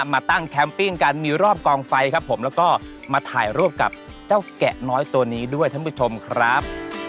มาตั้งแคมปิ้งกันมีรอบกองไฟครับผมแล้วก็มาถ่ายรูปกับเจ้าแกะน้อยตัวนี้ด้วยท่านผู้ชมครับ